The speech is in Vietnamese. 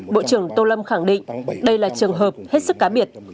bộ trưởng tô lâm khẳng định đây là trường hợp hết sức cá biệt